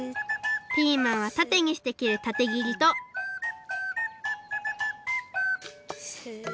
ピーマンはたてにして切るたて切りとスッ。